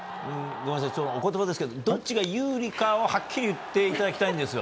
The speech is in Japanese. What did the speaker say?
お言葉ですけどどっちが有利かはっきり言っていただきたいです。